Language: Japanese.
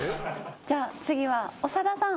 じゃあ次は長田さん。